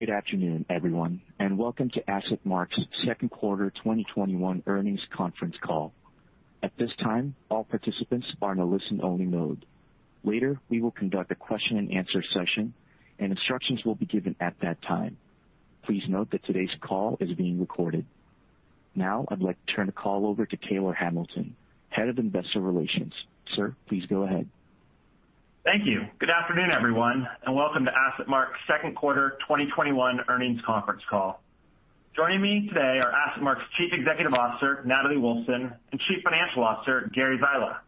Good afternoon, everyone, and welcome to AssetMark's second quarter 2021 earnings conference call. At this time, all participants are in a listen-only mode. Later, we will conduct a question and answer session, and instructions will be given at that time. Please note that today's call is being recorded. Now, I'd like to turn the call over to Taylor Hamilton, Head of Investor Relations. Sir, please go ahead. Thank you. Good afternoon, everyone, and welcome to AssetMark's second quarter 2021 earnings conference call. Joining me today are AssetMark's Chief Executive Officer, Natalie Wolfsen, and Chief Financial Officer, Gary Zyla.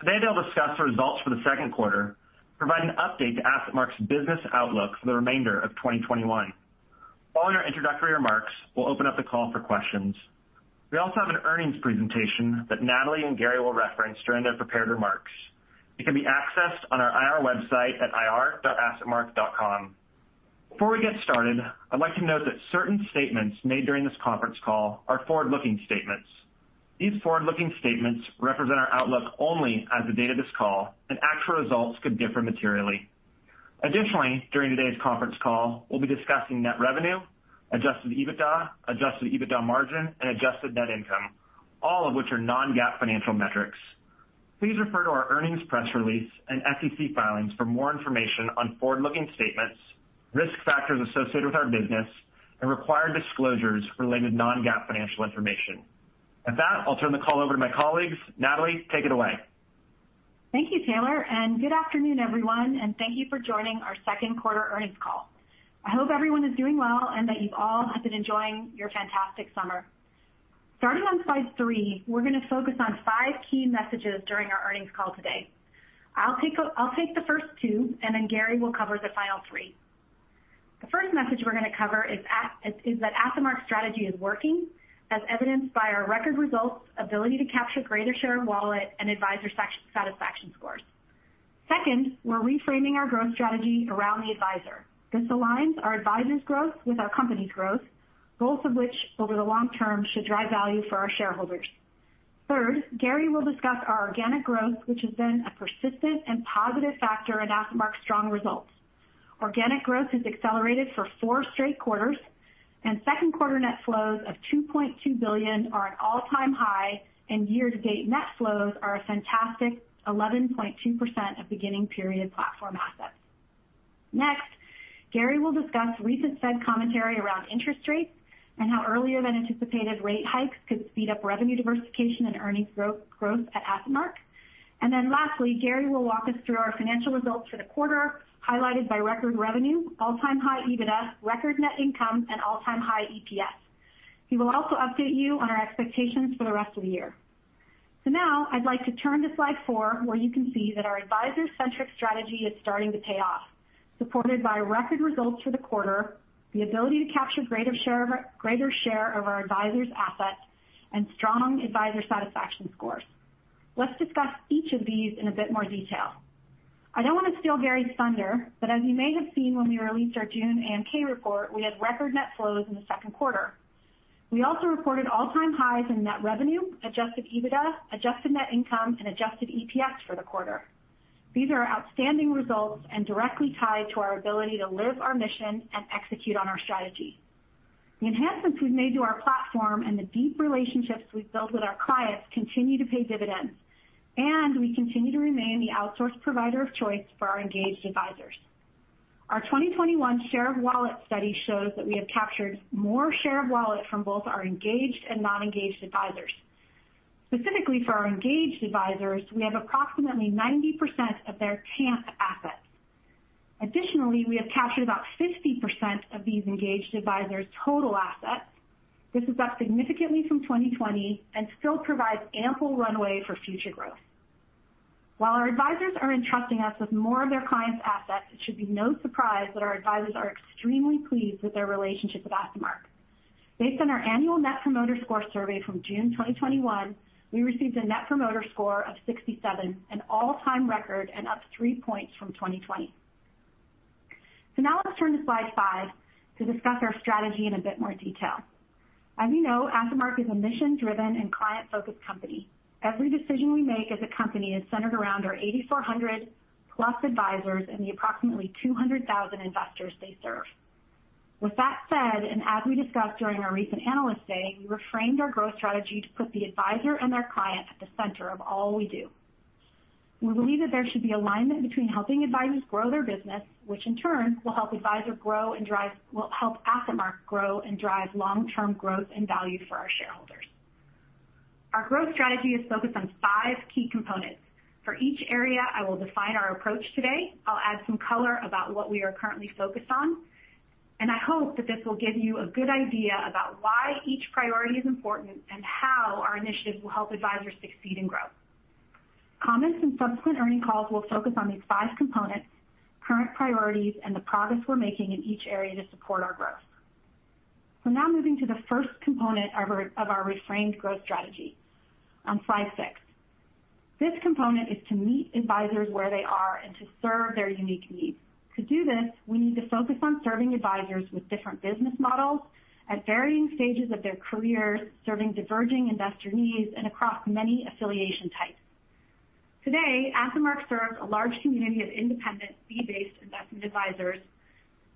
Today, they'll discuss the results for the second quarter, provide an update to AssetMark's business outlook for the remainder of 2021. Following our introductory remarks, we'll open up the call for questions. We also have an earnings presentation that Natalie and Gary will reference during their prepared remarks. It can be accessed on our IR website at ir.assetmark.com. Before we get started, I'd like to note that certain statements made during this conference call are forward-looking statements. These forward-looking statements represent our outlook only as of the date of this call, and actual results could differ materially. Additionally, during today's conference call, we'll be discussing net revenue, adjusted EBITDA, adjusted EBITDA margin, and adjusted net income, all of which are non-GAAP financial metrics. Please refer to our earnings press release and SEC filings for more information on forward-looking statements, risk factors associated with our business, and required disclosures for related non-GAAP financial information. At that, I'll turn the call over to my colleagues. Natalie, take it away. Thank you, Taylor. Good afternoon, everyone, and thank you for joining our second quarter earnings call. I hope everyone is doing well, and that you all have been enjoying your fantastic summer. Starting on slide three, we're going to focus on five key messages during our earnings call today. I'll take the first two. Then Gary will cover the final three. The first message we're going to cover is that AssetMark's strategy is working, as evidenced by our record results, ability to capture greater share of wallet, and advisor satisfaction scores. Second, we're reframing our growth strategy around the advisor. This aligns our advisors' growth with our company's growth, both of which, over the long term, should drive value for our shareholders. Third, Gary will discuss our organic growth, which has been a persistent and positive factor in AssetMark's strong results. Organic growth has accelerated for four straight quarters, and second quarter net flows of $2.2 billion are at all-time high, and year-to-date net flows are a fantastic 11.2% of beginning period platform assets. Gary will discuss recent Fed commentary around interest rates and how earlier than anticipated rate hikes could speed up revenue diversification and earnings growth at AssetMark. Lastly, Gary will walk us through our financial results for the quarter, highlighted by record revenue, all-time high EBITDA, record net income, and all-time high EPS. He will also update you on our expectations for the rest of the year. I'd like to turn to slide four, where you can see that our advisor-centric strategy is starting to pay off, supported by record results for the quarter, the ability to capture greater share of our advisors' assets, and strong advisor satisfaction scores. Let's discuss each of these in a bit more detail. I don't want to steal Gary's thunder, but as you may have seen when we released our June AUM report, we had record net flows in the second quarter. We also reported all-time highs in net revenue, adjusted EBITDA, adjusted net income, and adjusted EPS for the quarter. These are outstanding results and directly tied to our ability to live our mission and execute on our strategy. The enhancements we've made to our platform and the deep relationships we've built with our clients continue to pay dividends, and we continue to remain the outsource provider of choice for our engaged advisors. Our 2021 Share of Wallet Study shows that we have captured more share of wallet from both our engaged and non-engaged advisors. Specifically for our engaged advisors, we have approximately 90% of their TAMP assets. Additionally, we have captured about 50% of these engaged advisors' total assets. This is up significantly from 2020 and still provides ample runway for future growth. While our advisors are entrusting us with more of their clients' assets, it should be no surprise that our advisors are extremely pleased with their relationship with AssetMark. Based on our annual Net Promoter Score survey from June 2021, we received a Net Promoter Score of 67, an all-time record, and up three points from 2020. Now let's turn to slide five to discuss our strategy in a bit more detail. As you know, AssetMark is a mission-driven and client-focused company. Every decision we make as a company is centered around our 8,400-plus advisors and the approximately 200,000 investors they serve. With that said, and as we discussed during our recent analyst day, we reframed our growth strategy to put the advisor and their client at the center of all we do. We believe that there should be alignment between helping advisors grow their business, which in turn will help AssetMark grow and drive long-term growth and value for our shareholders. Our growth strategy is focused on five key components. For each area, I will define our approach today. I'll add some color about what we are currently focused on, and I hope that this will give you a good idea about why each priority is important and how our initiatives will help advisors succeed and grow. Comments and subsequent earnings calls will focus on these 5 components, current priorities, and the progress we're making in each area to support our growth. Now moving to the 1st component of our reframed growth strategy on slide six. This component is to meet advisors where they are and to serve their unique needs. To do this, we need to focus on serving advisors with different business models at varying stages of their careers, serving diverging investor needs, and across many affiliation types. Today, AssetMark serves a large community of independent fee-based investment advisors,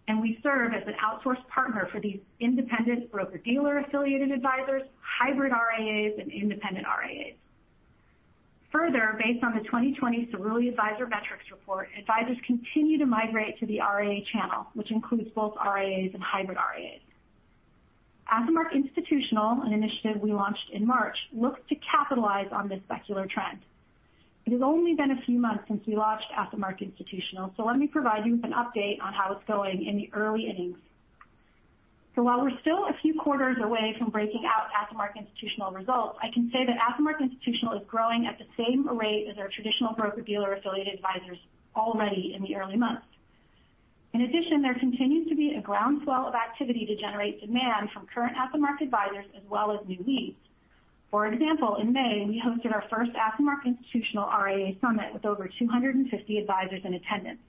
and we serve as an outsource partner for these independent broker-dealer affiliated advisors, hybrid RIAs, and independent RIAs. Further, based on the 2020 Cerulli Advisor Metrics report, advisors continue to migrate to the RIA channel, which includes both RIAs and hybrid RIAs. AssetMark Institutional, an initiative we launched in March, looks to capitalize on this secular trend. It has only been a few months since we launched AssetMark Institutional, so let me provide you with an update on how it's going in the early innings. While we're still a few quarters away from breaking out AssetMark Institutional results, I can say that AssetMark Institutional is growing at the same rate as our traditional broker-dealer affiliated advisors already in the early months. In addition, there continues to be a groundswell of activity to generate demand from current AssetMark advisors as well as new leads. For example, in May, we hosted our first AssetMark Institutional RIA Summit with over 250 advisors in attendance,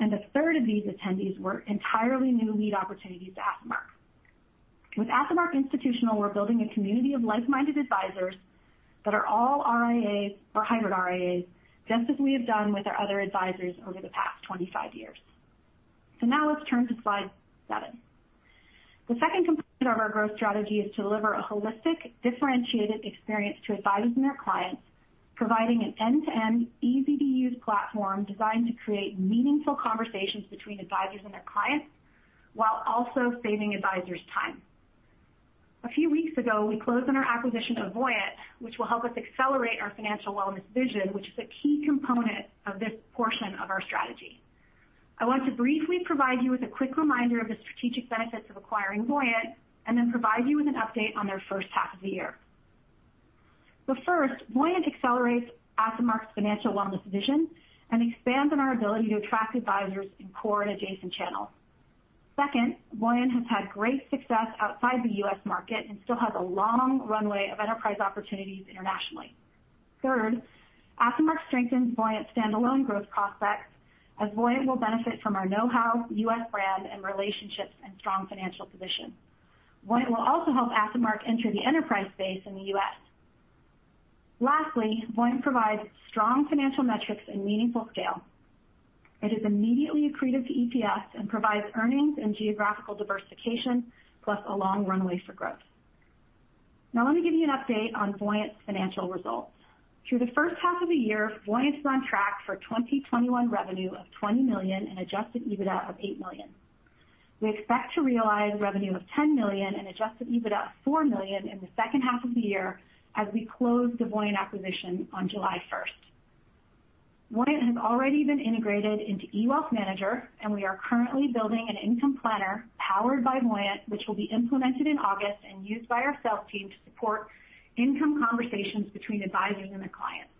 and a third of these attendees were entirely new lead opportunities to AssetMark. With AssetMark Institutional, we're building a community of like-minded advisors that are all RIAs or hybrid RIAs, just as we have done with our other advisors over the past 25 years. Now let's turn to slide seven. The second component of our growth strategy is to deliver a holistic, differentiated experience to advisors and their clients, providing an end-to-end, easy-to-use platform designed to create meaningful conversations between advisors and their clients, while also saving advisors time. A few weeks ago, we closed on our acquisition of Voyant, which will help us accelerate our financial wellness vision, which is a key component of this portion of our strategy. I want to briefly provide you with a quick reminder of the strategic benefits of acquiring Voyant, and then provide you with an update on their first half of the year. First, Voyant accelerates AssetMark's financial wellness vision and expands on our ability to attract advisors in core and adjacent channels. Second, Voyant has had great success outside the U.S. market and still has a long runway of enterprise opportunities internationally. Third, AssetMark strengthens Voyant's standalone growth prospects, as Voyant will benefit from our knowhow, U.S. brand, and relationships, and strong financial position. Voyant will also help AssetMark enter the enterprise space in the U.S. Lastly, Voyant provides strong financial metrics and meaningful scale. It is immediately accretive to EPS and provides earnings and geographical diversification, plus a long runway for growth. Now, let me give you an update on Voyant's financial results. Through the first half of the year, Voyant is on track for 2021 revenue of $20 million and adjusted EBITDA of $8 million. We expect to realize revenue of $10 million and adjusted EBITDA of $4 million in the second half of the year as we close the Voyant acquisition on July 1st. Voyant has already been integrated into eWealthManager, and we are currently building an income planner powered by Voyant, which will be implemented in August and used by our sales team to support income conversations between advisors and their clients.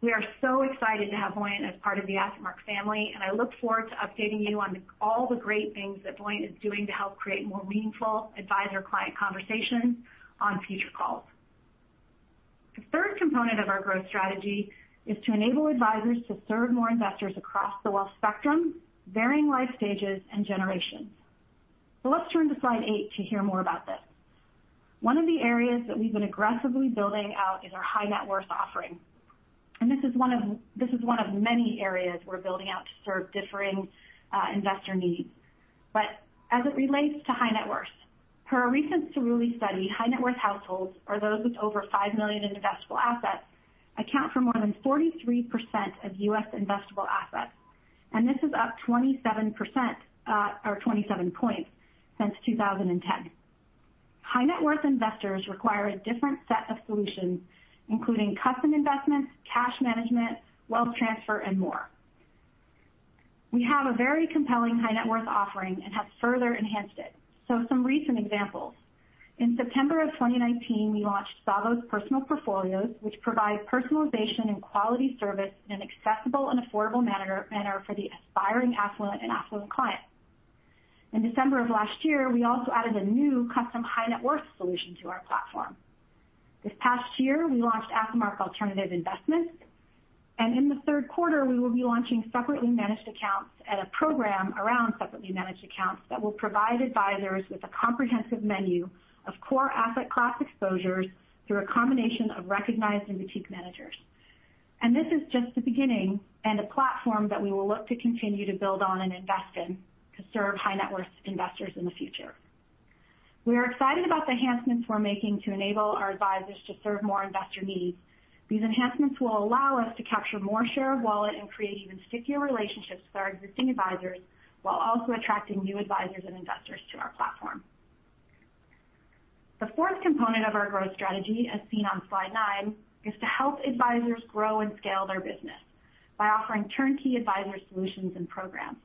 We are so excited to have Voyant as part of the AssetMark family, and I look forward to updating you on all the great things that Voyant is doing to help create more meaningful advisor-client conversations on future calls. The third component of our growth strategy is to enable advisors to serve more investors across the wealth spectrum, varying life stages, and generations. Let's turn to slide eight to hear more about this. One of the areas that we've been aggressively building out is our high net worth offering, and this is one of many areas we're building out to serve differing investor needs. As it relates to high net worth, per a recent Cerulli study, high net worth households, or those with over $5 million in investable assets, account for more than 43% of U.S. investable assets, and this is up 27 points since 2010. High net worth investors require a different set of solutions, including custom investments, cash management, wealth transfer, and more. We have a very compelling high net worth offering and have further enhanced it. Some recent examples. In September of 2019, we launched Savos Personal Portfolios, which provide personalization and quality service in an accessible and affordable manner for the aspiring affluent and affluent client. In December of last year, we also added a new custom high net worth solution to our platform. This past year, we launched AssetMark Alternative Investments, and in the third quarter, we will be launching separately managed accounts at a program around separately managed accounts that will provide advisors with a comprehensive menu of core asset class exposures through a combination of recognized and boutique managers. This is just the beginning and a platform that we will look to continue to build on and invest in to serve high net worth investors in the future. We are excited about the enhancements we're making to enable our advisors to serve more investor needs. These enhancements will allow us to capture more share of wallet and create even stickier relationships with our existing advisors while also attracting new advisors and investors to our platform. The fourth component of our growth strategy, as seen on slide nine, is to help advisors grow and scale their business by offering turnkey advisor solutions and programs.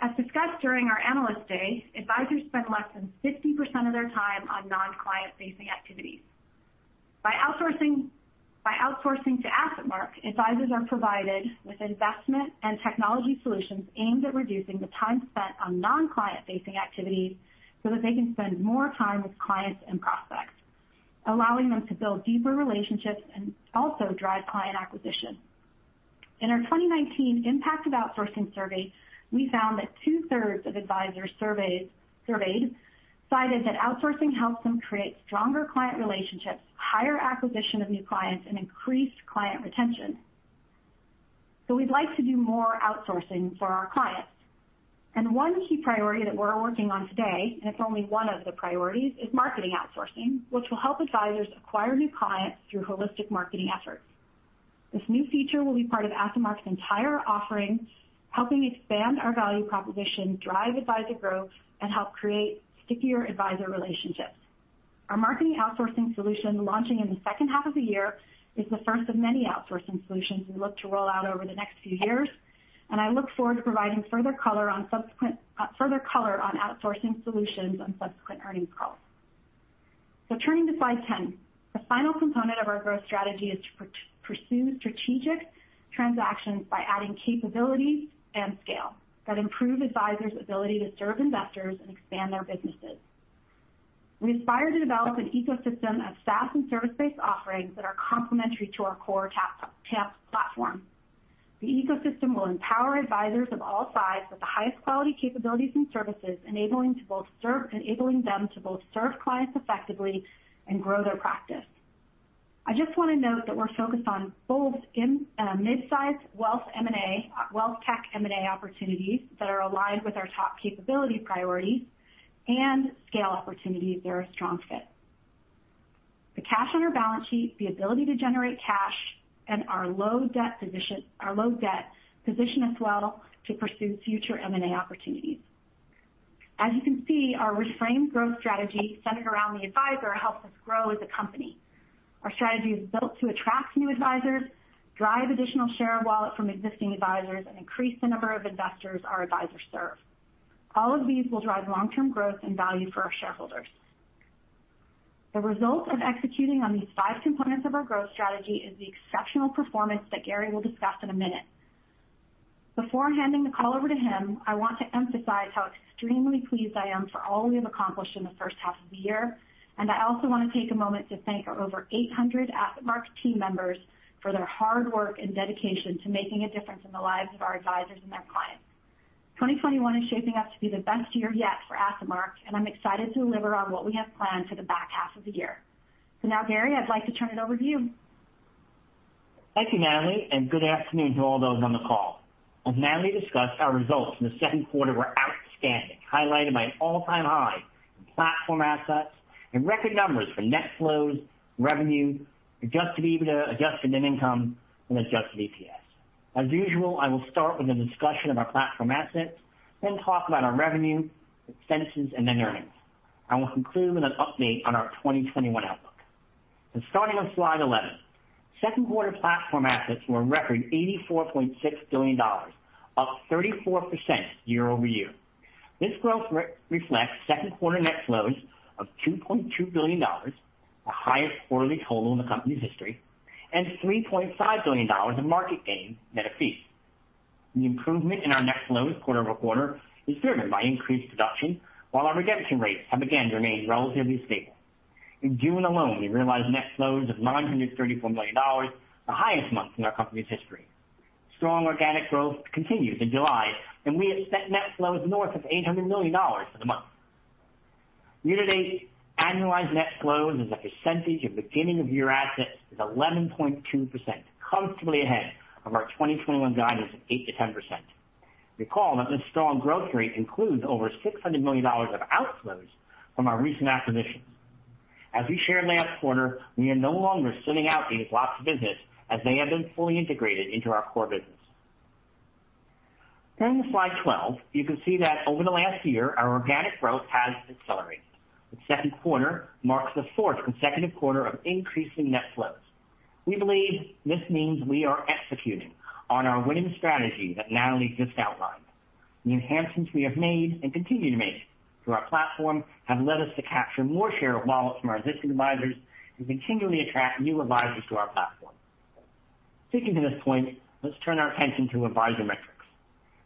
As discussed during our Analyst Day, advisors spend less than 60% of their time on non-client-facing activities. By outsourcing to AssetMark, advisors are provided with investment and technology solutions aimed at reducing the time spent on non-client-facing activities so that they can spend more time with clients and prospects, allowing them to build deeper relationships and also drive client acquisition. In our 2019 Impact of Outsourcing survey, we found that two-thirds of advisors surveyed cited that outsourcing helps them create stronger client relationships, higher acquisition of new clients, and increased client retention. We'd like to do more outsourcing for our clients. One key priority that we're working on today, and it's only one of the priorities, is marketing outsourcing, which will help advisors acquire new clients through holistic marketing efforts. This new feature will be part of AssetMark's entire offering, helping expand our value proposition, drive advisor growth, and help create stickier advisor relationships. Our marketing outsourcing solution, launching in the second half of the year, is the first of many outsourcing solutions we look to roll out over the next few years, and I look forward to providing further color on outsourcing solutions on subsequent earnings calls. Turning to slide 10. The final component of our growth strategy is to pursue strategic transactions by adding capabilities and scale that improve advisors' ability to serve investors and expand their businesses. We aspire to develop an ecosystem of SaaS and service-based offerings that are complementary to our core platform. The ecosystem will empower advisors of all sizes with the highest quality capabilities and services, enabling them to both serve clients effectively and grow their practice. I just want to note that we're focused on both midsize wealth tech M&A opportunities that are aligned with our top capability priorities and scale opportunities that are a strong fit. The cash on our balance sheet, the ability to generate cash, and our low debt position us well to pursue future M&A opportunities. As you can see, our reframed growth strategy centered around the advisor helps us grow as a company. Our strategy is built to attract new advisors, drive additional share of wallet from existing advisors, and increase the number of investors our advisors serve. All of these will drive long-term growth and value for our shareholders. The result of executing on these five components of our growth strategy is the exceptional performance that Gary will discuss in a minute. Before handing the call over to him, I want to emphasize how extremely pleased I am for all we have accomplished in the first half of the year, and I also want to take a moment to thank our over 800 AssetMark team members for their hard work and dedication to making a difference in the lives of our advisors and their clients. 2021 is shaping up to be the best year yet for AssetMark, and I'm excited to deliver on what we have planned for the back half of the year. Now, Gary, I'd like to turn it over to you. Thank you, Natalie, and good afternoon to all those on the call. As Natalie discussed, our results in the second quarter were outstanding, highlighted by an all-time high in platform assets and record numbers for net flows, revenue, adjusted EBITDA, adjusted net income, and adjusted EPS. As usual, I will start with a discussion of our platform assets, then talk about our revenue, expenses, and then earnings. I will conclude with an update on our 2021 outlook. Starting on slide 11. Second quarter platform assets were a record $84.6 billion, up 34% year-over-year. This growth reflects second quarter net flows of $2.2 billion, the highest quarterly total in the company's history, and $3.5 billion of market gains net of fees. The improvement in our net flows quarter-over-quarter is driven by increased production, while our redemption rates have again remained relatively stable. In June alone, we realized net flows of $934 million, the highest month in our company's history. Strong organic growth continued in July, and we expect net flows north of $800 million for the month. Year-to-date annualized net flows as a percentage of beginning of year assets is 11.2%, comfortably ahead of our 2021 guidance of 8%-10%. Recall that this strong growth rate includes over $600 million of outflows from our recent acquisitions. As we shared last quarter, we are no longer sending out these blocks of business, as they have been fully integrated into our core business. Turning to slide 12, you can see that over the last year, our organic growth has accelerated. The second quarter marks the fourth consecutive quarter of increasing net flows. We believe this means we are executing on our winning strategy that Natalie just outlined. The enhancements we have made and continue to make to our platform have led us to capture more share of wallet from our existing advisors and continually attract new advisors to our platform. Speaking to this point, let's turn our attention to advisor metrics.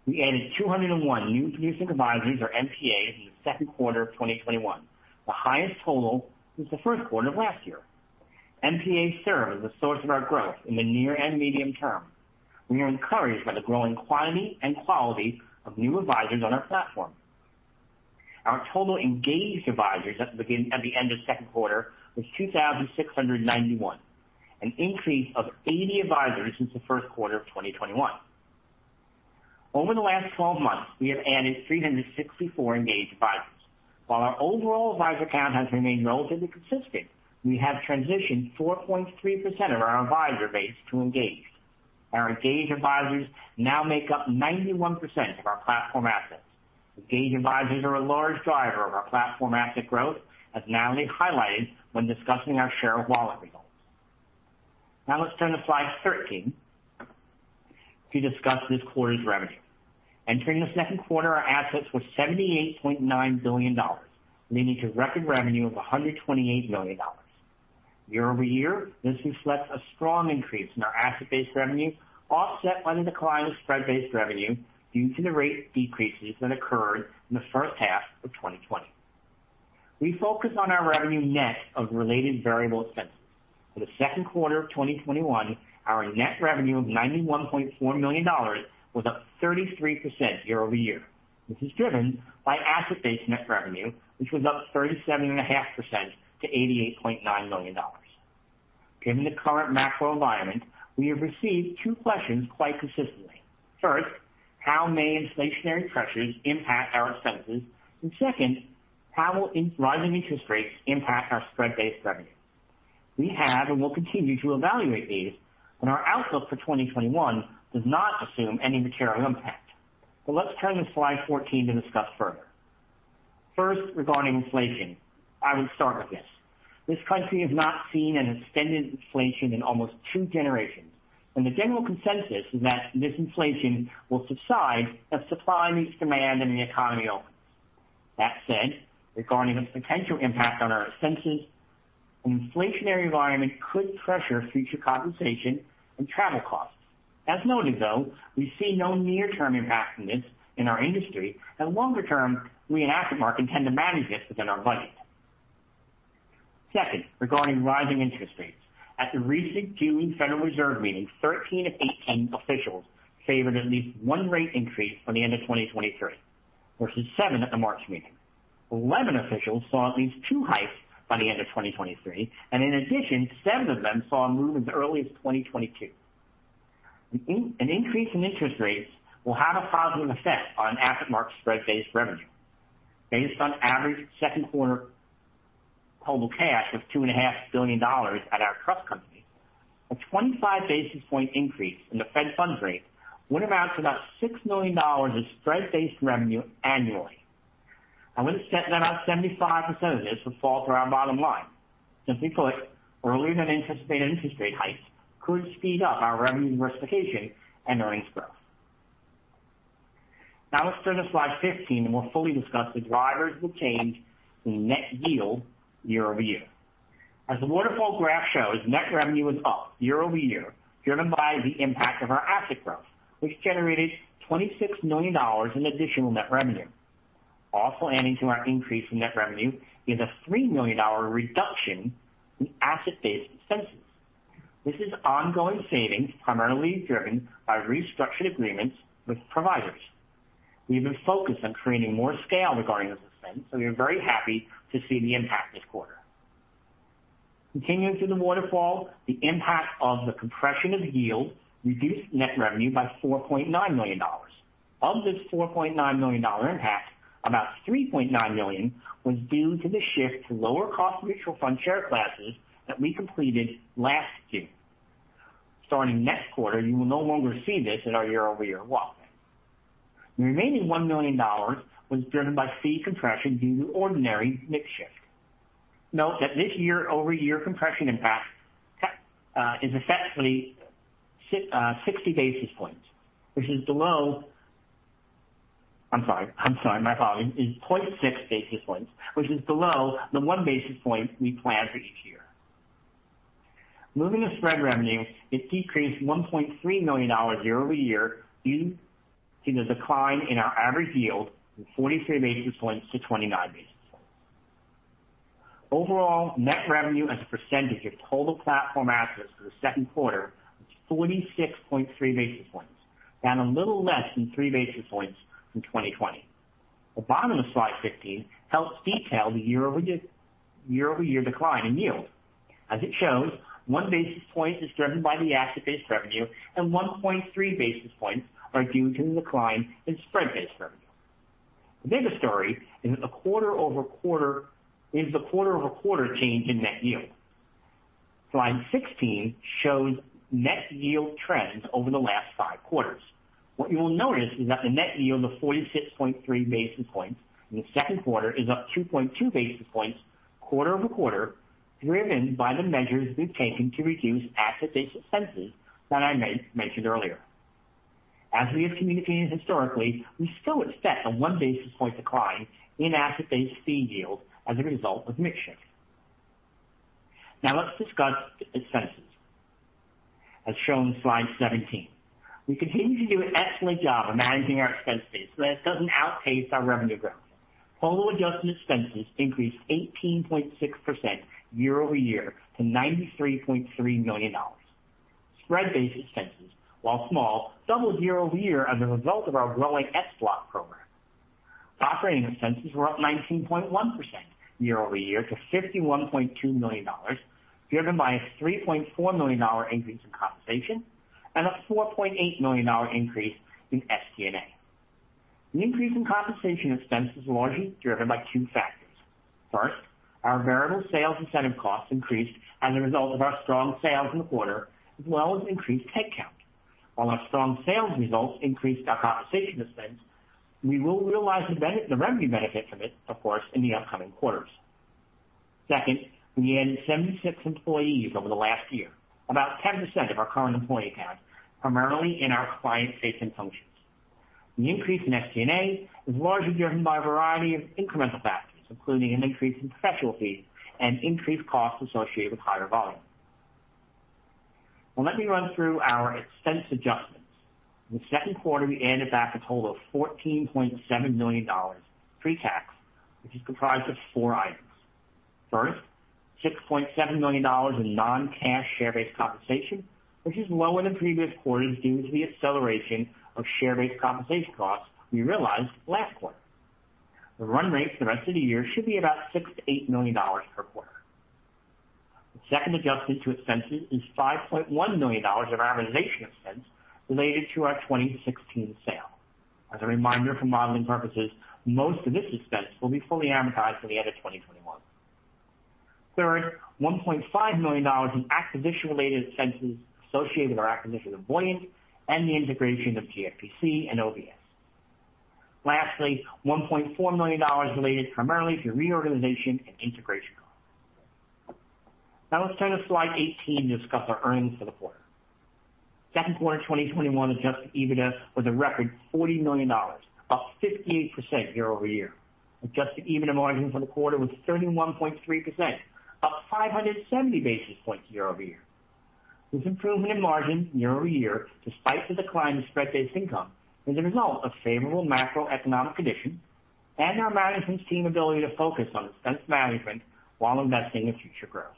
We added 201 new producing advisors, or NPAs, in the second quarter of 2021, the highest total since the first quarter of last year. NPAs serve as the source of our growth in the near and medium term. We are encouraged by the growing quantity and quality of new advisors on our platform. Our total engaged advisors at the end of second quarter was 2,691, an increase of 80 advisors since the first quarter of 2021. Over the last 12 months, we have added 364 engaged advisors. While our overall advisor count has remained relatively consistent, we have transitioned 4.3% of our advisor base to engaged. Our engaged advisors now make up 91% of our platform assets. Engaged advisors are a large driver of our platform asset growth, as Natalie highlighted when discussing our share of wallet results. Now let's turn to slide 13 to discuss this quarter's revenue. Entering the second quarter, our assets were $78.9 billion, leading to record revenue of $128 million. Year-over-year, this reflects a strong increase in our asset-based revenue, offset by the decline of spread-based revenue due to the rate decreases that occurred in the first half of 2020. We focus on our revenue net of related variable expenses. For the second quarter of 2021, our net revenue of $91.4 million was up 33% year-over-year. This is driven by asset-based net revenue, which was up 37.5% to $88.9 million. Given the current macro environment, we have received two questions quite consistently. First, how may inflationary pressures impact our expenses? Second, how will rising interest rates impact our spread-based revenue? We have and will continue to evaluate these. Our outlook for 2021 does not assume any material impact. Let's turn to slide 14 to discuss further. First, regarding inflation, I would start with this. This country has not seen an extended inflation in almost two generations. The general consensus is that this inflation will subside as supply meets demand and the economy opens. That said, regarding the potential impact on our expenses, an inflationary environment could pressure future compensation and travel costs. As noted, though, we see no near-term impact from this in our industry. Longer term, we at AssetMark intend to manage this within our budget. Second, regarding rising interest rates. At the recent June Federal Reserve meeting, 13 of 18 officials favored at least one rate increase by the end of 2023, versus seven at the March meeting. 11 officials saw at least two hikes by the end of 2023, and in addition, seven of them saw a move as early as 2022. An increase in interest rates will have a positive effect on AssetMark's spread-based revenue. Based on average second quarter total cash of $2.5 billion at our trust company, a 25 basis point increase in the fed funds rate would amount to about $6 million of spread-based revenue annually. I would expect that about 75% of this would fall to our bottom line. Simply put, earlier than anticipated interest rate hikes could speed up our revenue diversification and earnings growth. Let's turn to slide 15, and we'll fully discuss the drivers of the change in net yield year-over-year. As the waterfall graph shows, net revenue is up year-over-year, driven by the impact of our asset growth, which generated $26 million in additional net revenue. Adding to our increase in net revenue is a $3 million reduction in asset-based expenses. This is ongoing savings primarily driven by restructured agreements with providers. We've been focused on creating more scale regarding this expense, we are very happy to see the impact this quarter. Continuing through the waterfall, the impact of the compression of yield reduced net revenue by $4.9 million. Of this $4.9 million impact, about $3.9 million was due to the shift to lower cost mutual fund share classes that we completed last June. Starting next quarter, you will no longer see this in our year-over-year walk. The remaining $1 million was driven by fee compression due to ordinary mix shift. Note that this year-over-year compression impact is effectively 60 basis points, which is below I'm sorry. My apologies. Is 0.6 basis points, which is below the 1 basis point we plan for each year. Moving to spread revenue, it decreased $1.3 million year-over-year due to the decline in our average yield from 43 basis points to 29 basis points. Overall, net revenue as a percentage of total platform assets for the second quarter was 46.3 basis points, down a little less than 3 basis points from 2020. The bottom of slide 15 helps detail the year-over-year decline in yield. As it shows, 1 basis point is driven by the asset-based revenue, and 1.3 basis points are due to the decline in spread-based revenue. The bigger story is the quarter-over-quarter change in net yield. Slide 16 shows net yield trends over the last five quarters. What you will notice is that the net yield of 46.3 basis points in the second quarter is up 2.2 basis points quarter-over-quarter, driven by the measures we've taken to reduce asset-based expenses that I mentioned earlier. As we have communicated historically, we still expect a 1 basis point decline in asset-based fee yield as a result of mix shift. Now let's discuss expenses, as shown in Slide 17. We continue to do an excellent job of managing our expense base so that it doesn't outpace our revenue growth. Total adjusted expenses increased 18.6% year-over-year to $93.3 million. Spread-based expenses, while small, doubled year-over-year as a result of our growing S-Block program. Operating expenses were up 19.1% year-over-year to $51.2 million, driven by a $3.4 million increase in compensation and a $4.8 million increase in SG&A. The increase in compensation expense is largely driven by two factors. First, our variable sales incentive costs increased as a result of our strong sales in the quarter, as well as increased head count. While our strong sales results increased our compensation expense, we will realize the revenue benefit from it, of course, in the upcoming quarters. Second, we added 76 employees over the last year, about 10% of our current employee count, primarily in our client-facing functions. The increase in SG&A is largely driven by a variety of incremental factors, including an increase in professional fees and increased costs associated with higher volume. Well, let me run through our expense adjustments. In the second quarter, we added back a total of $14.7 million pre-tax, which is comprised of four items. First, $6.7 million in non-cash share-based compensation, which is lower than previous quarters due to the acceleration of share-based compensation costs we realized last quarter. The run rate for the rest of the year should be about $6 million-$8 million per quarter. The second adjustment to expenses is $5.1 million of amortization expense related to our 2016 sale. As a reminder, for modeling purposes, most of this expense will be fully amortized by the end of 2021. Third, $1.5 million in acquisition-related expenses associated with our acquisition of Voyant and the integration of GFPC and OBS Financial. Lastly, $1.4 million related primarily to reorganization and integration costs. Now let's turn to slide 18 to discuss our earnings for the quarter. Second quarter 2021 adjusted EBITDA was a record $40 million, up 58% year-over-year. Adjusted EBITDA margin for the quarter was 31.3%, up 570 basis points year-over-year. This improvement in margin year-over-year, despite the decline in spread-based income, is a result of favorable macroeconomic conditions and our management team ability to focus on expense management while investing in future growth.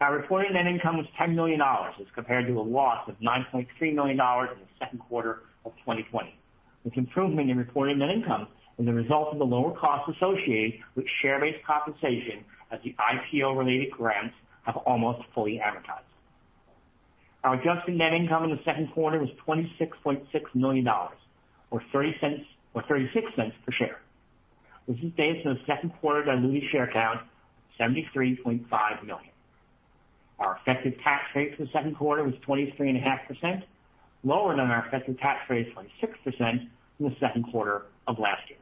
Our reported net income was $10 million as compared to a loss of $9.3 million in the second quarter of 2020. This improvement in reported net income is the result of the lower costs associated with share-based compensation, as the IPO-related grants have almost fully amortized. Our adjusted net income in the second quarter was $26.6 million or $0.36 per share. This is based on the second quarter diluted share count of 73.5 million. Our effective tax rate for the second quarter was 23.5%, lower than our effective tax rate of 26% from the second quarter of last year.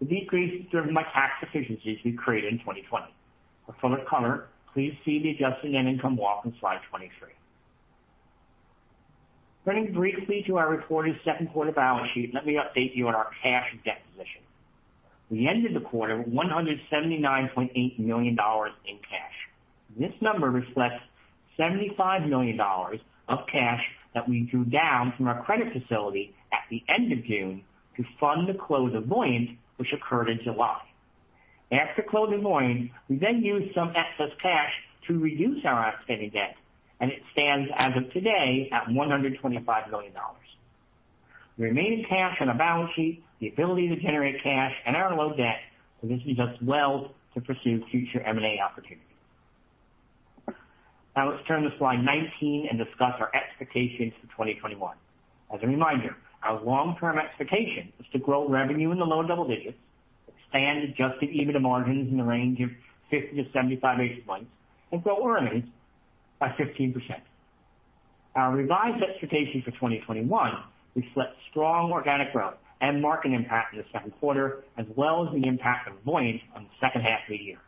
The decrease is driven by tax efficiencies we created in 2020. For further color, please see the adjusted net income walk on slide 23. Turning briefly to our reported second quarter balance sheet, let me update you on our cash and debt position. We ended the quarter with $179.8 million in cash. This number reflects $75 million of cash that we drew down from our credit facility at the end of June to fund the close of Voyant, which occurred in July. After closing Voyant, we then used some excess cash to reduce our outstanding debt, and it stands as of today at $125 million. The remaining cash on our balance sheet, the ability to generate cash, and our low debt positions us well to pursue future M&A opportunities. Now let's turn to slide 19 and discuss our expectations for 2021. As a reminder, our long-term expectation is to grow revenue in the low double digits, expand adjusted EBITDA margins in the range of 50-75 basis points, and grow earnings by 15%. Our revised expectation for 2021 reflects strong organic growth and market impact in the second quarter, as well as the impact of Voyant on the second half of the year.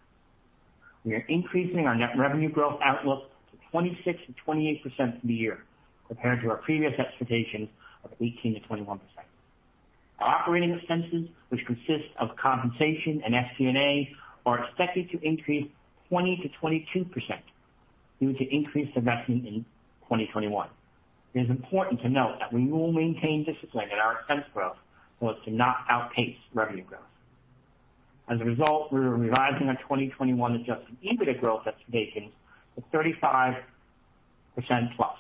We are increasing our net revenue growth outlook to 26%-28% for the year, compared to our previous expectation of 18%-21%. Our operating expenses, which consist of compensation and SG&A, are expected to increase 20%-22% due to increased investing in 2021. It is important to note that we will maintain discipline in our expense growth so as to not outpace revenue growth. We are revising our 2021 adjusted EBITDA growth expectation to 35% plus,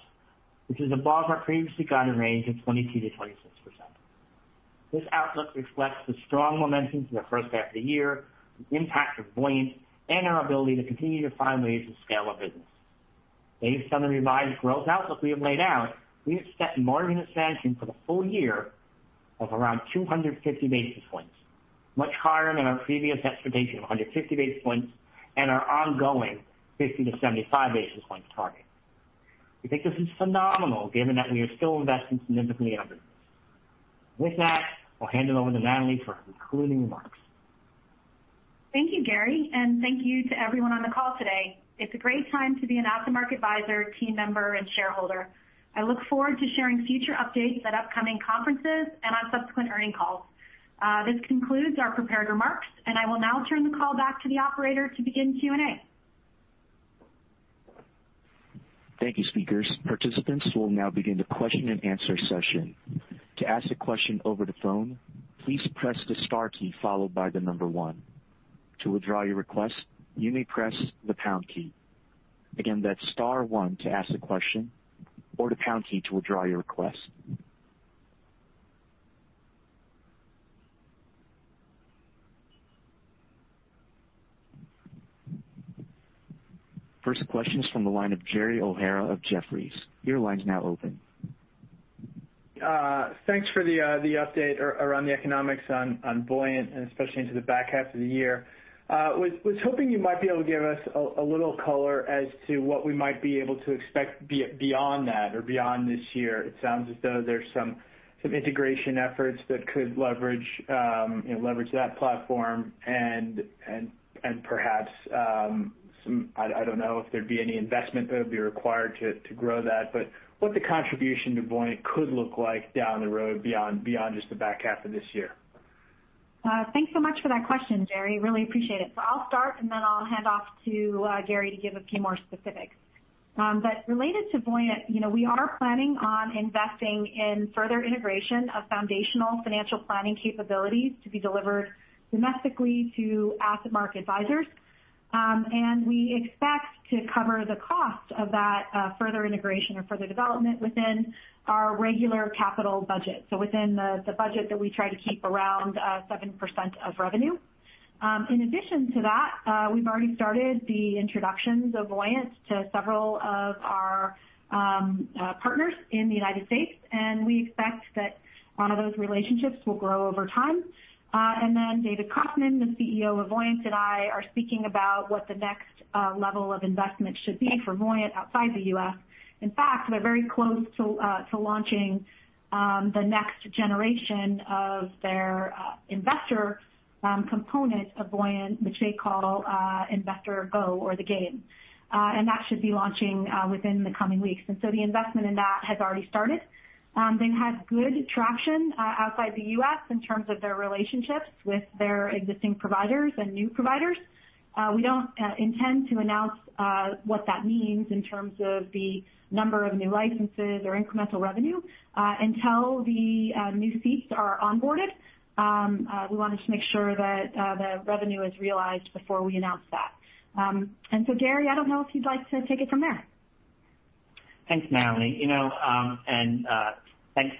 which is above our previously guided range of 22%-26%. This outlook reflects the strong momentum through the first half of the year, the impact of Voyant, and our ability to continue to find ways to scale our business. Based on the revised growth outlook we have laid out, we expect margin expansion for the full year of around 250 basis points, much higher than our previous expectation of 150 basis points and our ongoing 50-75 basis points target. We think this is phenomenal given that we are still investing significantly in Voyant. With that, I'll hand it over to Natalie for concluding remarks. Thank you, Gary, and thank you to everyone on the call today. It's a great time to be an AssetMark advisor, team member, and shareholder. I look forward to sharing future updates at upcoming conferences and on subsequent earnings calls. This concludes our prepared remarks, and I will now turn the call back to the operator to begin Q&A. Thank you, speakers. Participants, we'll now begin the question and answer session. To ask a question over the phone, please press the star key followed by the number one. To withdraw your request, you may press the pound key. Again, that's star one to ask a question or the pound key to withdraw your request. First question is from the line of Gerald O'Hara of Jefferies. Your line's now open. Thanks for the update around the economics on Voyant and especially into the back half of the year. Was hoping you might be able to give us a little color as to what we might be able to expect beyond that or beyond this year. It sounds as though there's some integration efforts that could leverage that platform and perhaps I don't know if there'd be any investment that would be required to grow that, but what the contribution to Voyant could look like down the road beyond just the back half of this year? Thanks so much for that question, Gerald. Really appreciate it. I'll start, and then I'll hand off to Gary to give a few more specifics. Related to Voyant, we are planning on investing in further integration of foundational financial planning capabilities to be delivered domestically to AssetMark advisors. We expect to cover the cost of that further integration or further development within our regular capital budget, so within the budget that we try to keep around 7% of revenue. In addition to that, we've already started the introductions of Voyant to several of our partners in the U.S., and we expect that one of those relationships will grow over time. David Kaufman, the CEO of Voyant, and I are speaking about what the next level of investment should be for Voyant outside the U.S. In fact, we're very close to launching the next generation of their investor component of Voyant, which they call AdviserGo or the Game, that should be launching within the coming weeks. The investment in that has already started. They've had good traction outside the U.S. in terms of their relationships with their existing providers and new providers. We don't intend to announce what that means in terms of the number of new licenses or incremental revenue until the new seats are onboarded. We wanted to make sure that the revenue is realized before we announce that. Gary, I don't know if you'd like to take it from there. Thanks, Natalie.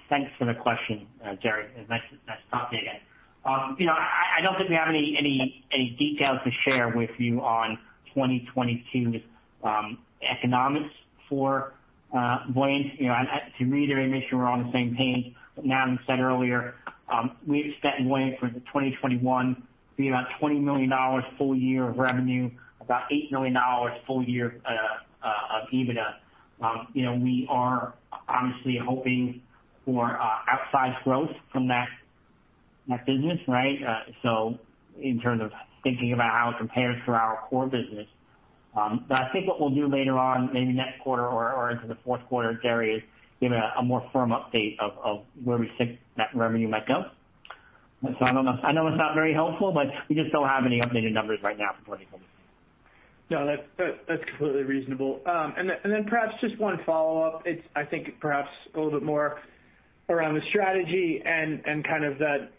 Thanks for the question, Gerald. Nice to talk to you again. I don't think we have any details to share with you on 2022's economics for Voyant. To me, to make sure we're on the same page, what Natalie said earlier, we expect Voyant for 2021 to be about $20 million full year of revenue, about $8 million full year of EBITDA. We are obviously hoping for outsized growth from that business, right? In terms of thinking about how it compares to our core business. I think what we'll do later on, maybe next quarter or into the fourth quarter, Jerry, is give a more firm update of where we think that revenue might go. I know it's not very helpful, but we just don't have any updated numbers right now for 2022. No, that's completely reasonable. Perhaps just one follow-up. It's, I think, perhaps a little bit more around the strategy and kind of that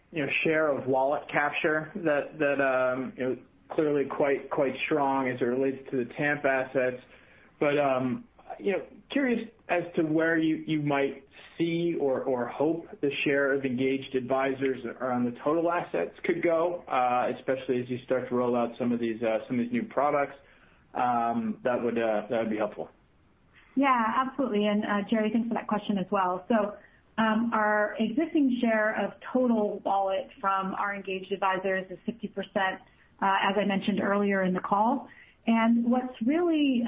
share of wallet capture that clearly quite strong as it relates to the TAMP assets. Curious as to where you might see or hope the share of engaged advisors around the total assets could go, especially as you start to roll out some of these new products. That would be helpful. Yeah, absolutely. Gerald, thanks for that question as well. Our existing share of total wallet from our engaged advisors is 50%, as I mentioned earlier in the call. What's really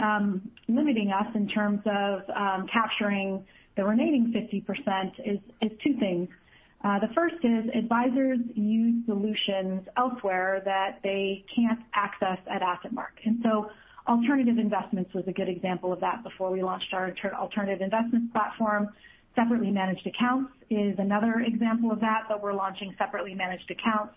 limiting us in terms of capturing the remaining 50% is two things. The first is advisors use solutions elsewhere that they can't access at AssetMark. Alternative investments was a good example of that before we launched our AssetMark Alternative Investments platform. Separately managed accounts is another example of that, but we're launching separately managed accounts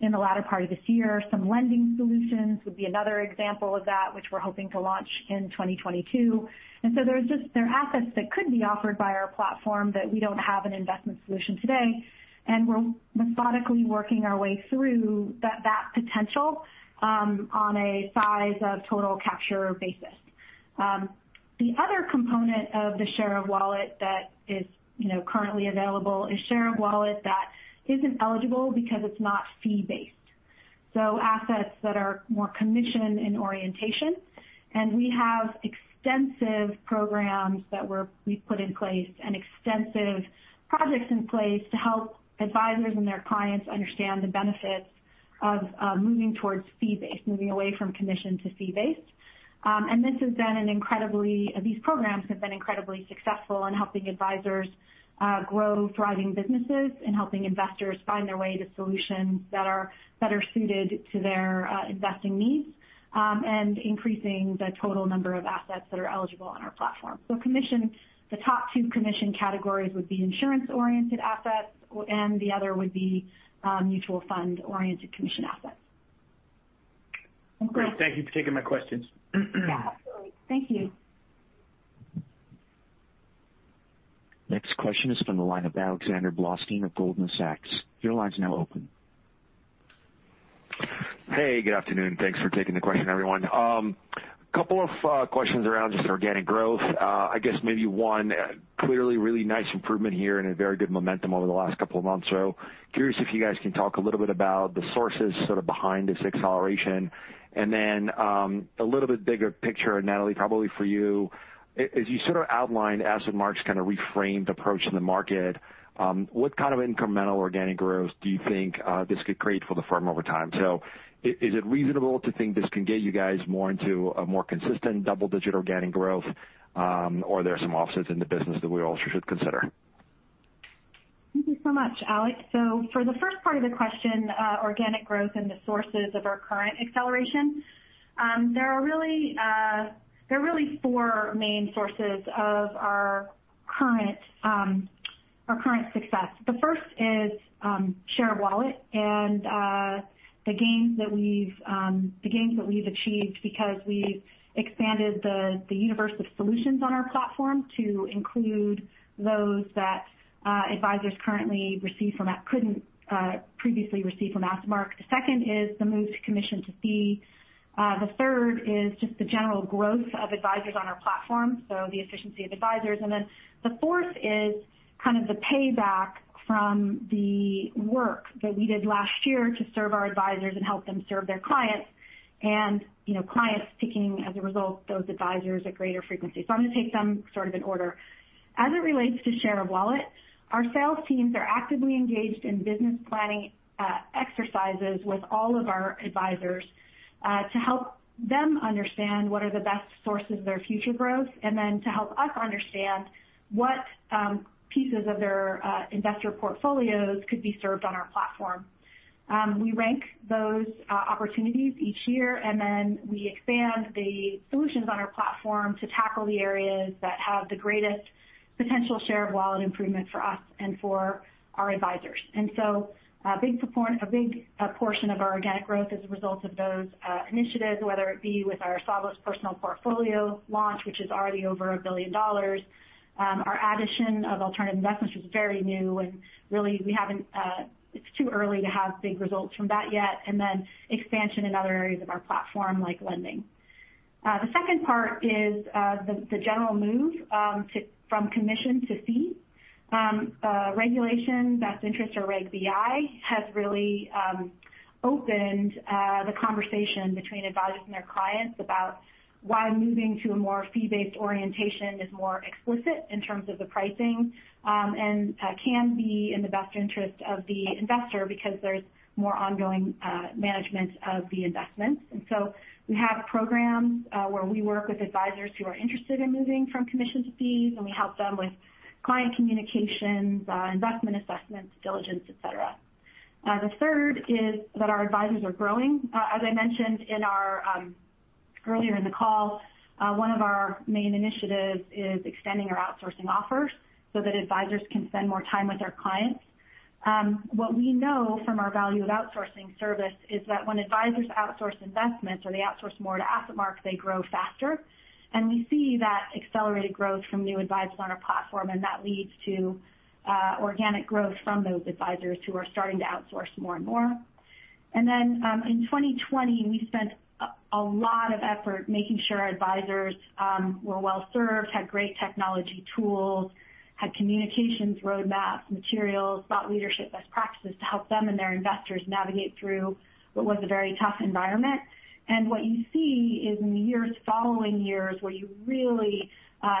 in the latter part of this year. Some lending solutions would be another example of that, which we're hoping to launch in 2022. There are assets that could be offered by our platform that we don't have an investment solution today, and we're methodically working our way through that potential on a size of total capture basis. The other component of the share of wallet that is currently available is share of wallet that isn't eligible because it's not fee-based, so assets that are more commission in orientation. We have extensive programs that we've put in place and extensive projects in place to help advisors and their clients understand the benefits of moving towards fee-based, moving away from commission to fee-based. These programs have been incredibly successful in helping advisors grow thriving businesses and helping investors find their way to solutions that are suited to their investing needs, and increasing the total number of assets that are eligible on our platform. Commission, the top two commission categories would be insurance-oriented assets, and the other would be mutual fund-oriented commission assets. Great. Thank you for taking my questions. Yeah, absolutely. Thank you. Next question is from the line of Alexander Blostein of Goldman Sachs. Your line's now open. Hey, good afternoon. Thanks for taking the question, everyone. Two questions around just organic growth. I guess maybe one, clearly really nice improvement here and a very good momentum over the last two months. Curious if you guys can talk a little bit about the sources sort of behind this acceleration. Then a little bit bigger picture, Natalie, probably for you, as you sort of outlined AssetMark's kind of reframed approach in the market, what kind of incremental organic growth do you think this could create for the firm over time? Is it reasonable to think this can get you guys more into a more consistent double-digit organic growth, or there are some offsets in the business that we also should consider? Thank you so much, Alex. For the first part of the question, organic growth and the sources of our current acceleration, there are really four main sources of our current success. The first is share of wallet and the gains that we've achieved because we expanded the universe of solutions on our platform to include those that advisors couldn't previously receive from AssetMark. The second is the move to commission to fee. The third is just the general growth of advisors on our platform, so the efficiency of advisors. The fourth is kind of the payback from the work that we did last year to serve our advisors and help them serve their clients. Clients picking, as a result, those advisors at greater frequency. I'm going to take them sort of in order. As it relates to share of wallet, our sales teams are actively engaged in business planning exercises with all of our advisors to help them understand what are the best sources of their future growth, and then to help us understand what pieces of their investor portfolios could be served on our platform. We rank those opportunities each year, and then we expand the solutions on our platform to tackle the areas that have the greatest potential share of wallet improvement for us and for our advisors. A big portion of our organic growth is a result of those initiatives, whether it be with our Savos Personal Portfolios launch, which is already over $1 billion. Our addition of Alternative Investments was very new, and really it's too early to have big results from that yet. Expansion in other areas of our platform, like lending. The second part is the general move from commission to fee. Regulation Best Interest, or Reg BI, has really opened the conversation between advisors and their clients about why moving to a more fee-based orientation is more explicit in terms of the pricing. Can be in the best interest of the investor because there's more ongoing management of the investments. We have programs where we work with advisors who are interested in moving from commission to fees, and we help them with client communications, investment assessments, diligence, et cetera. The third is that our advisors are growing. As I mentioned earlier in the call, one of our main initiatives is extending our outsourcing offers so that advisors can spend more time with their clients. What we know from our value of outsourcing service is that when advisors outsource investments or they outsource more to AssetMark, they grow faster. We see that accelerated growth from new advisors on our platform, and that leads to organic growth from those advisors who are starting to outsource more and more. In 2020, we spent a lot of effort making sure our advisors were well-served, had great technology tools, had communications roadmaps, materials, thought leadership, best practices to help them and their investors navigate through what was a very tough environment. What you see is in the years following years where you really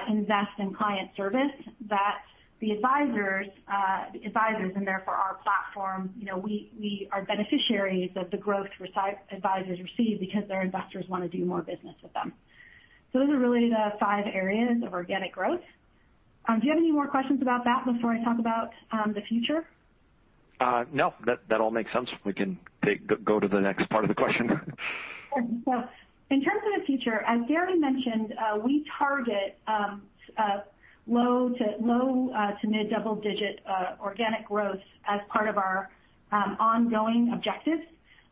invest in client service, that the advisors, and therefore our platform, we are beneficiaries of the growth advisors receive because their investors want to do more business with them. Those are really the five areas of organic growth. Do you have any more questions about that before I talk about the future? No, that all makes sense. We can go to the next part of the question. In terms of the future, as Gary mentioned, we target low to mid double-digit organic growth as part of our ongoing objectives.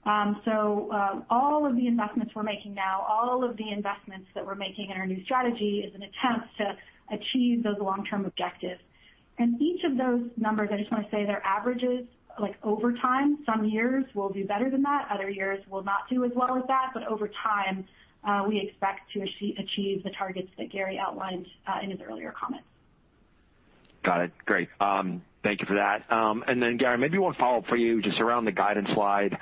All of the investments we're making now, all of the investments that we're making in our new strategy is an attempt to achieve those long-term objectives. Each of those numbers, I just want to say, they're averages over time. Some years we'll do better than that. Other years we'll not do as well as that. Over time, we expect to achieve the targets that Gary outlined in his earlier comments. Got it. Great. Thank you for that. Then Gary, maybe one follow-up for you, just around the guidance slide.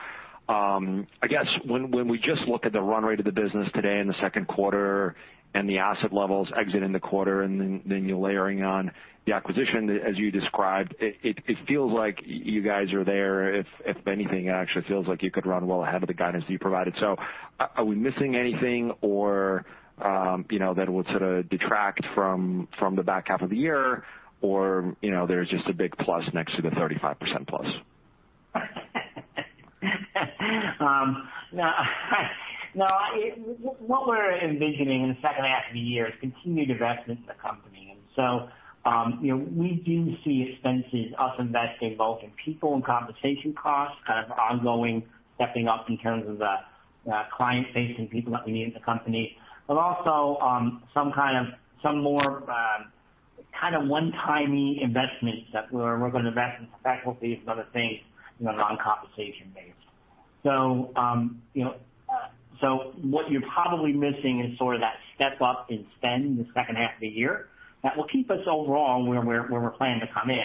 I guess when we just look at the run rate of the business today in the second quarter and the asset levels exiting the quarter, and then you layering on the acquisition, as you described, it feels like you guys are there. If anything, it actually feels like you could run well ahead of the guidance that you provided. Are we missing anything that would sort of detract from the back half of the year? Or there's just a big plus next to the 35%+? No. What we're envisioning in the second half of the year is continued investment in the company. We do see expenses, us investing both in people and compensation costs, kind of ongoing stepping up in terms of the client-facing people that we need in the company. Also some more kind of one-timey investments that we're going to invest in some technologies and other things, non-compensation based. What you're probably missing is sort of that step-up in spend in the second half of the year. That will keep us overall where we're planning to come in.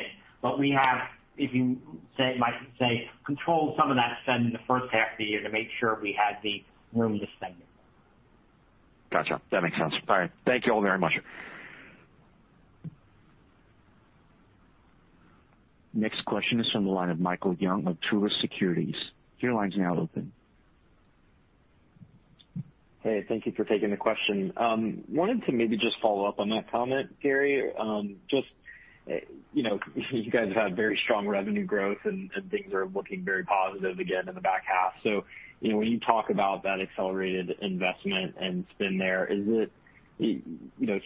We have, you might say, controlled some of that spend in the first half of the year to make sure we had the room to spend it. Got you. That makes sense. All right. Thank you all very much. Next question is from the line of Michael Young of Truist Securities. Your line's now open. Hey, thank you for taking the question. Wanted to maybe just follow up on that comment, Gary. Just you guys have had very strong revenue growth, and things are looking very positive again in the back half. When you talk about that accelerated investment and spend there, is it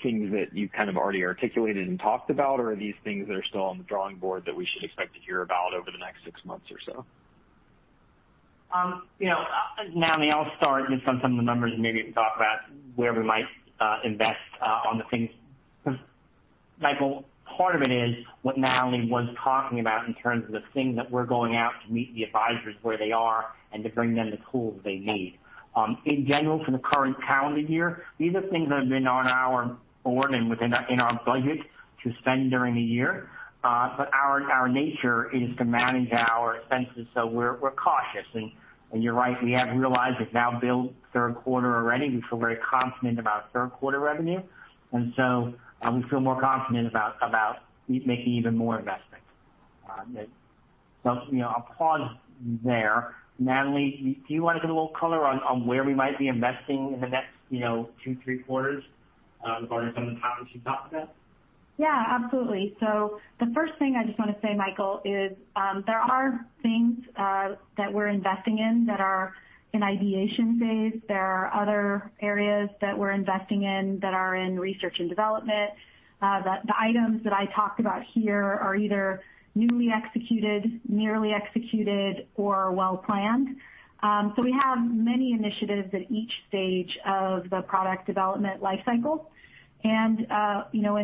things that you've kind of already articulated and talked about? Or are these things that are still on the drawing board that we should expect to hear about over the next six months or so? Natalie, I'll start just on some of the numbers, and maybe we can talk about where we might invest on the things. Michael, part of it is what Natalie was talking about in terms of the things that we're going out to meet the advisors where they are and to bring them the tools they need. In general, for the current calendar year, these are things that have been on our board and within our budget to spend during the year. Our nature is to manage our expenses, so we're cautious. You're right, we have realized we've now built third quarter already. We feel very confident about third quarter revenue, and so we feel more confident about making even more investments. I'll pause there. Natalie, do you want to give a little color on where we might be investing in the next two, three quarters regarding some of the items you talked about? Yeah, absolutely. The first thing I just want to say, Michael, is there are things that we're investing in that are in ideation phase. There are other areas that we're investing in that are in research and development. The items that I talked about here are either newly executed, nearly executed, or well-planned. We have many initiatives at each stage of the product development life cycle.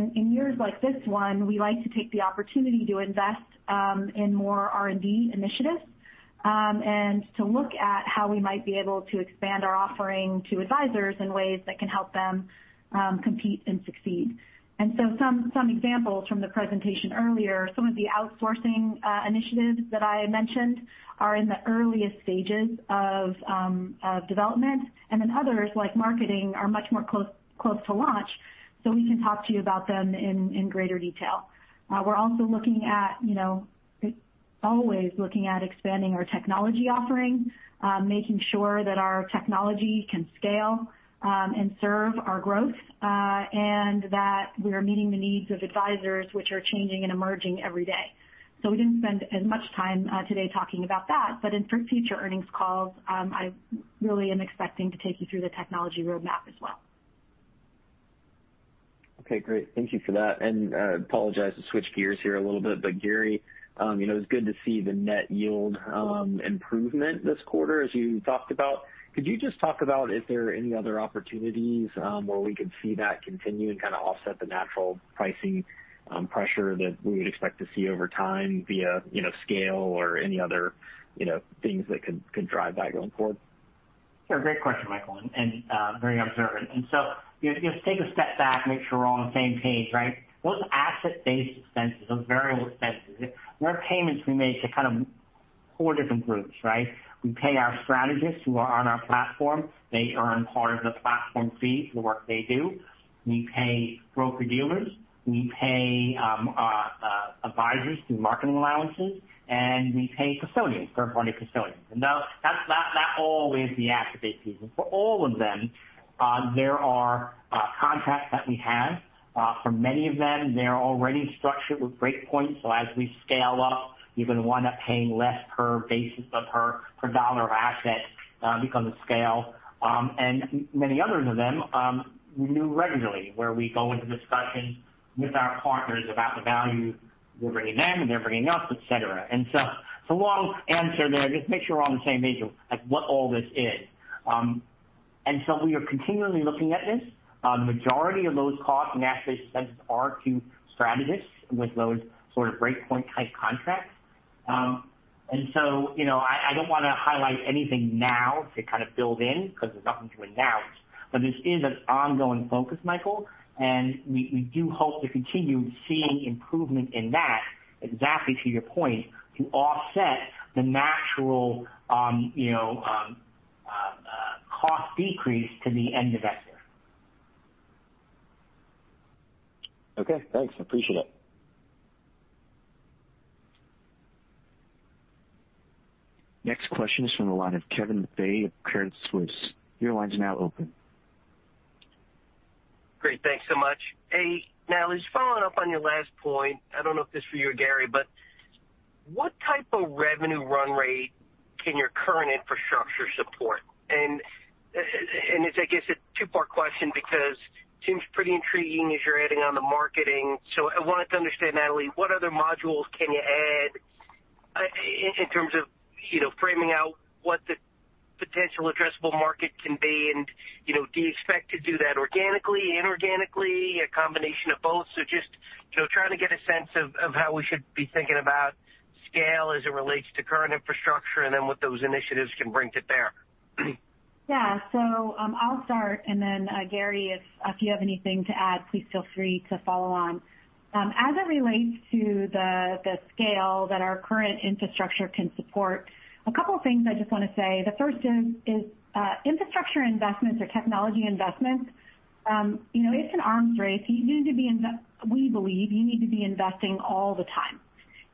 In years like this one, we like to take the opportunity to invest in more R&D initiatives, and to look at how we might be able to expand our offering to advisors in ways that can help them compete and succeed. Some examples from the presentation earlier, some of the outsourcing initiatives that I had mentioned are in the earliest stages of development, and then others, like marketing, are much more close to launch so we can talk to you about them in greater detail. We're also always looking at expanding our technology offering, making sure that our technology can scale and serve our growth, and that we are meeting the needs of advisors, which are changing and emerging every day. We didn't spend as much time today talking about that. In future earnings calls, I really am expecting to take you through the technology roadmap as well. Okay, great. Thank you for that. I apologize to switch gears here a little bit, Gary, it was good to see the net yield improvement this quarter as you talked about. Could you just talk about if there are any other opportunities where we could see that continue and kind of offset the natural pricing pressure that we would expect to see over time via scale or any other things that could drive that going forward? Sure. Great question, Michael, very observant. Just take a step back, make sure we're all on the same page, right? Those asset-based expenses, those variable expenses, they're payments we make to kind of four different groups, right? We pay our strategists who are on our platform. They earn part of the platform fee for the work they do. We pay broker-dealers. We pay advisors through marketing allowances, and we pay custodians, third-party custodians. That always the asset-based fees. For all of them, there are contracts that we have. For many of them, they're already structured with breakpoints, so as we scale up, you're going to wind up paying less per basis of per dollar of asset because of scale. Many others of them, we renew regularly, where we go into discussions with our partners about the value we're bringing them and they're bringing us, et cetera. It's a long answer there, just make sure we're on the same page of what all this is. We are continually looking at this. Majority of those costs and asset expenses are to strategists with those sort of break point type contracts. I don't want to highlight anything now to kind of build in because there's nothing to announce. This is an ongoing focus, Michael, and we do hope to continue seeing improvement in that, exactly to your point, to offset the natural cost decrease to the end of X year. Okay, thanks. I appreciate it. Next question is from the line of Kevin McVeigh of Credit Suisse. Your line's now open. Great. Thanks so much. Hey, Natalie, just following up on your last point. I don't know if this is for you or Gary, but what type of revenue run rate can your current infrastructure support? It's, I guess, a two-part question because seems pretty intriguing as you're adding on the marketing. I wanted to understand, Natalie, what other modules can you add in terms of framing out what the potential addressable market can be? Do you expect to do that organically, inorganically, a combination of both? Just trying to get a sense of how we should be thinking about scale as it relates to current infrastructure and then what those initiatives can bring to bear. I'll start, and then Gary, if you have anything to add, please feel free to follow on. As it relates to the scale that our current infrastructure can support, a couple of things I just want to say. The first is infrastructure investments or technology investments. It's an arms race. We believe you need to be investing all the time.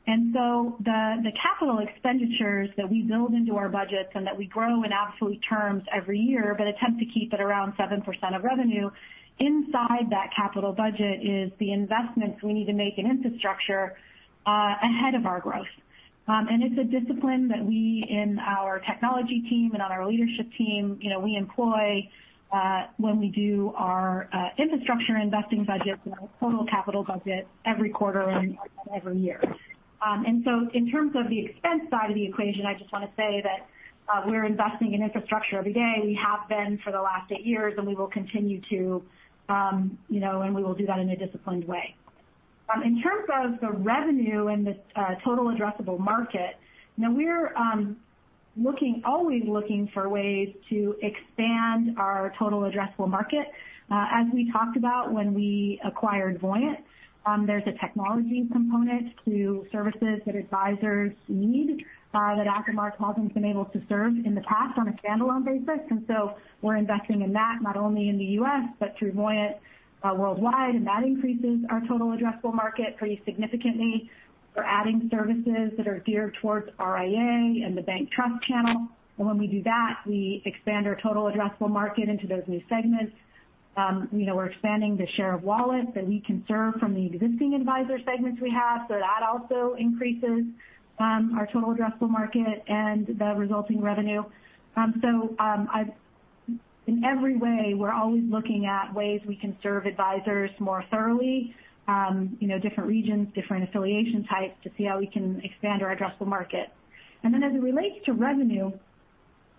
The capital expenditures that we build into our budgets and that we grow in absolute terms every year, but attempt to keep at around 7% of revenue, inside that capital budget is the investments we need to make in infrastructure ahead of our growth. It's a discipline that we, in our technology team and on our leadership team, we employ when we do our infrastructure investing budget and our total capital budget every quarter and every year. In terms of the expense side of the equation, I just want to say that we're investing in infrastructure every day. We have been for the last eight years, and we will continue to, and we will do that in a disciplined way. In terms of the revenue and the total addressable market, we're always looking for ways to expand our total addressable market. We talked about when we acquired Voyant, there's a technology component to services that advisors need that AssetMark hasn't been able to serve in the past on a standalone basis. We're investing in that, not only in the U.S., but through Voyant worldwide, and that increases our total addressable market pretty significantly. We're adding services that are geared towards RIA and the bank trust channel. When we do that, we expand our total addressable market into those new segments. We're expanding the share of wallet that we can serve from the existing advisor segments we have, that also increases our total addressable market and the resulting revenue. In every way, we're always looking at ways we can serve advisors more thoroughly, different regions, different affiliation types, to see how we can expand our addressable market. As it relates to revenue,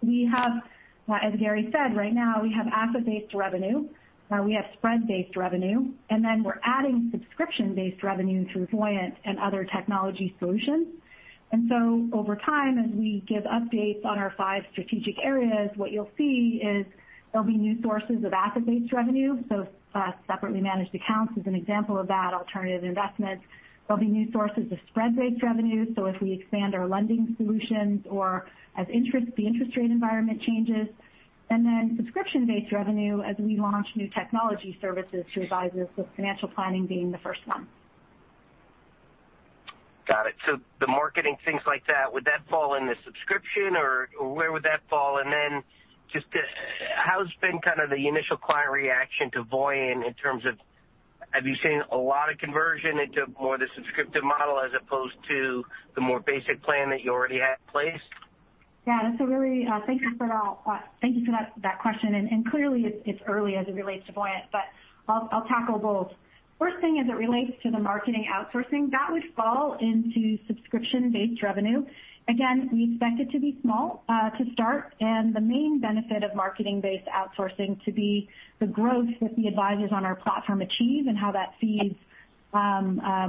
we have, as Gary said, right now, we have asset-based revenue, we have spread-based revenue, and then we're adding subscription-based revenue through Voyant and other technology solutions. Over time, as we give updates on our five strategic areas, what you'll see is there'll be new sources of asset-based revenue. Separately managed accounts is an example of that, alternative investments. There'll be new sources of spread-based revenue, so as we expand our lending solutions or as the interest rate environment changes. Subscription-based revenue as we launch new technology services to advisors, with financial planning being the first one. Got it. The marketing things like that, would that fall in the subscription, or where would that fall? Just how's been kind of the initial client reaction to Voyant in terms of, have you seen a lot of conversion into more the subscription model as opposed to the more basic plan that you already had in place? Thank you for that question, and clearly it's early as it relates to Voyant, but I'll tackle both. First thing as it relates to the marketing outsourcing, that would fall into subscription-based revenue. Again, we expect it to be small to start, and the main benefit of marketing-based outsourcing to be the growth that the advisors on our platform achieve and how that feeds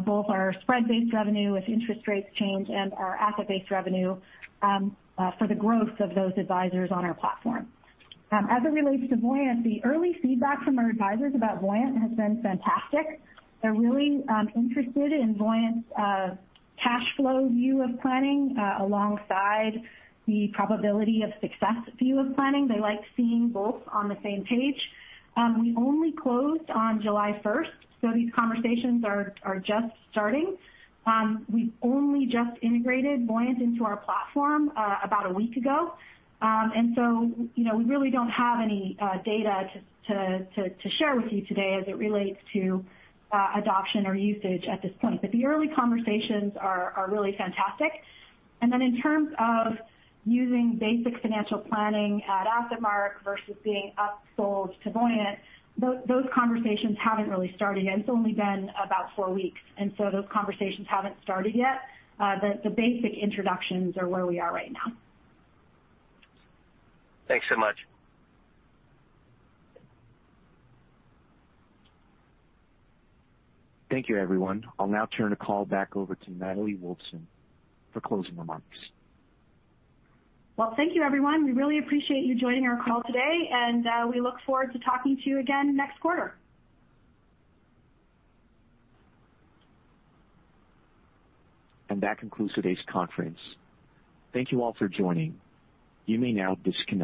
both our spread-based revenue as interest rates change and our asset-based revenue for the growth of those advisors on our platform. As it relates to Voyant, the early feedback from our advisors about Voyant has been fantastic. They're really interested in Voyant's cash flow view of planning alongside the probability of success view of planning. They like seeing both on the same page. We only closed on July 1st. These conversations are just starting. We've only just integrated Voyant into our platform about one week ago. We really don't have any data to share with you today as it relates to adoption or usage at this point. The early conversations are really fantastic. In terms of using basic financial planning at AssetMark versus being upsold to Voyant, those conversations haven't really started yet. It's only been about four weeks, those conversations haven't started yet. The basic introductions are where we are right now. Thanks so much. Thank you, everyone. I'll now turn the call back over to Natalie Wolfsen for closing remarks. Well, thank you everyone. We really appreciate you joining our call today, and we look forward to talking to you again next quarter. That concludes today's conference. Thank you all for joining. You may now disconnect.